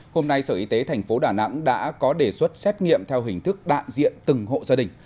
hôm nay sở y tế tp đà nẵng đã có đề xuất xét nghiệm theo hình thức đạn diện từng hộ gia đình